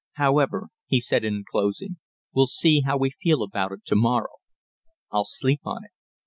"However," he said in closing, "we'll see how we feel about it to morrow. I'll sleep on it."